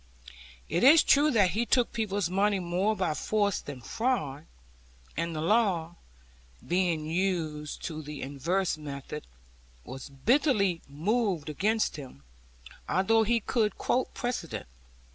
It is true that he took people's money more by force than fraud; and the law (being used to the inverse method) was bitterly moved against him, although he could quote precedent.